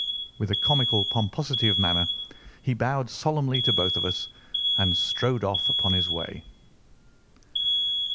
With a comical pomposity of manner he bowed solemnly to both of us and strode off upon his way.